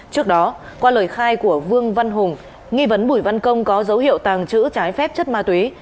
trước đó qua lời khai của vương văn hùng nghi vấn bùi văn công có dấu hiệu tàng trữ trái phép chất ma túy